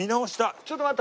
ちょっと待った。